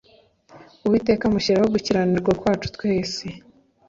«Uwiteka amushyiraho gukiranirwa kwacu twese.»